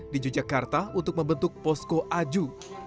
di yogyakarta untuk membentuk posko aju